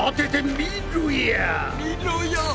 みろや！